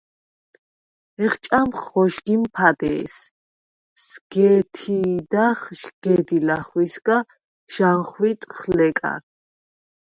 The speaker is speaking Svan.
ეხჭამხ ღოშგიმ ფადე̄ს, სგ’ე̄თი̄დახ შგედი ლახვისგა, ჟანხვიტხ ლეკარ.